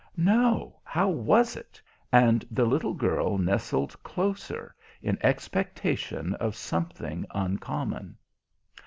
"No; how was it?" And the little girl nestled closer, in expectation of something uncommon.